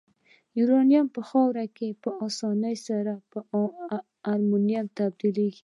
یوریا په خاوره کې په اساني سره په امونیا بدلیږي.